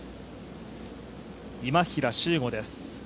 今平周吾です。